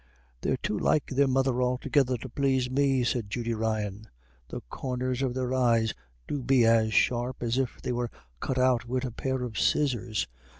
"They're too like their mother altogether to plase me," said Judy Ryan. "The corners of their eyes do be as sharp as if they were cut out wid a pair of scissors.